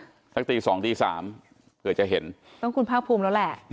สักตีสองตีสามเผื่อจะเห็นต้องคุณภาคภูมิแล้วแหละ